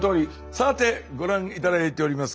さてご覧頂いております